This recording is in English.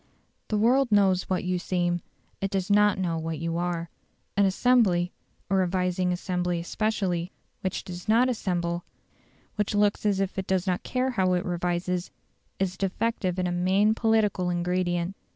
The world knows what you seem; it does not know what you are. An assembly a revising assembly especially which does not assemble, which looks as if it does not care how it revises, is defective in a main political ingredient.